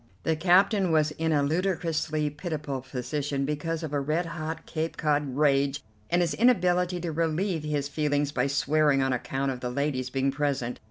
The captain was in a ludicrously pitiable position because of a red hot Cape Cod rage and his inability to relieve his feelings by swearing on account of the ladies being present.